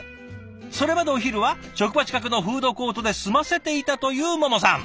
それまでお昼は職場近くのフードコートで済ませていたというももさん。